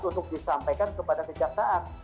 untuk disampaikan kepada kejaksaan